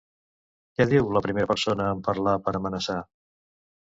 Què diu, la primera persona en parlar, per amenaçar?